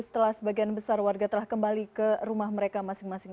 setelah sebagian besar warga telah kembali ke rumah mereka masing masing